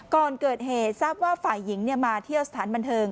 ก่อนเกิดเหตุทราบว่าฝ่ายหญิงมาเที่ยวสถานบันเทิง